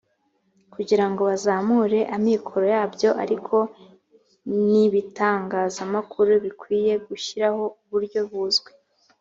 kugira ngo bizamure amikoro yabyo ariko n ibitangazamakuru bikwiye gushyiraho uburyo buzwi